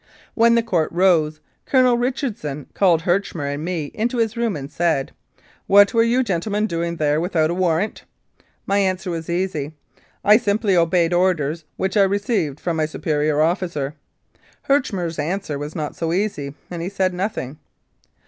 When the Court rose, Colonel Richardson called Herchmer and me into his room and said, " What were you gentlemen doing there without a warrant?" My answer was easy. "I simply obeyed orders which I received from my superior officer." Herchmer's answer was not so easy, and he said nothing.